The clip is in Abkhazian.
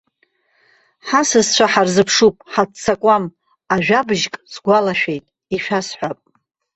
Ҳасасцәа ҳарзыԥшуп, ҳаццакуам, ажәабжьк сгәалашәеит, ишәасҳәап.